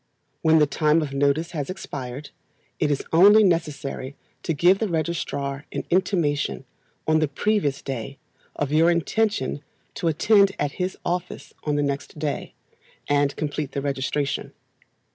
When the time of notice has expired, it is only necessary to give the registrar an intimation, on the previous day, of your intention to attend at his office on the next day, and complete the registration.